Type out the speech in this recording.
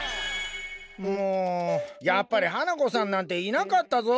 もうやっぱり花子さんなんていなかったぞ。